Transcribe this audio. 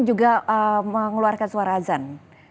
juga mengeluarkan suara azan